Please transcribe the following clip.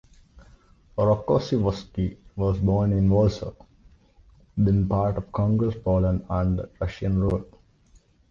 Rokossovsky was born in Warsaw, then part of Congress Poland under Russian rule.